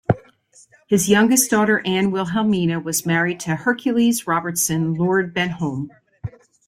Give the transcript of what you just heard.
His youngest daughter Ann Wilhelmina was married to Hercules Robertson, Lord Benholme.